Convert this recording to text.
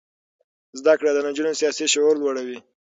زده کړه د نجونو سیاسي شعور لوړوي.